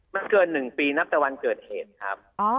มันเกิน๑ปีนับแต่วันเกิดเหตุครับ